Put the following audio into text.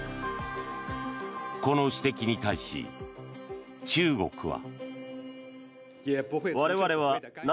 この指摘に対し、中国は。